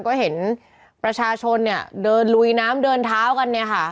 ก็เห็นประชาชนเนี่ยเดินลุยน้ำเดินเท้ากันเนี่ยค่ะ